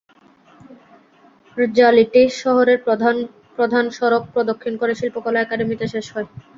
র্যা লিটি শহরের প্রধান প্রধান সড়ক প্রদক্ষিণ করে শিল্পকলা একাডেমিতে শেষ হয়।